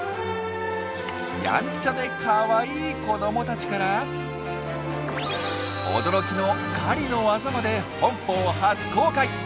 やんちゃでかわいい子どもたちから驚きの狩りの技まで本邦初公開！